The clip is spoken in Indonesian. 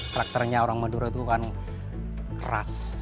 karakternya orang madura itu kan keras